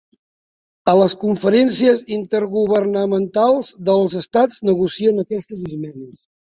A les conferències intergovernamentals dels Estats negocien aquestes esmenes.